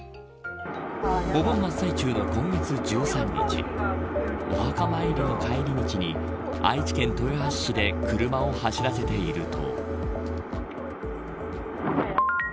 お盆の真っ最中の今月１３日お墓参りの帰り道に愛知県豊橋市で車を走らせていると。